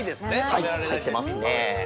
はいってますね。